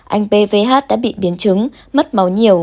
anh b v h đã bị biến chứng mất màu nhiều